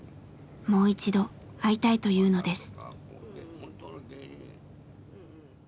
もう一度会いたいというのです。